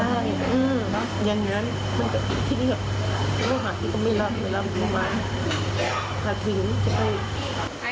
อย่างนั้นมันจะทิ้งแบบมันก็หาที่เขาไม่รับ